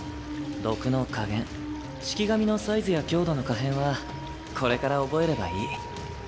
毒の加減式神のサイズや強度の可変はこれから覚えればいい。